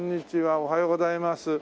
おはようございます。